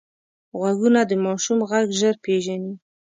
غوږونه د ماشوم غږ ژر پېژني